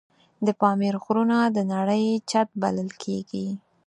د پامیر غرونه د نړۍ چت بلل کېږي.